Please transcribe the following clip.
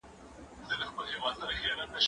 زه به اوږده موده سپينکۍ مينځلي وم؟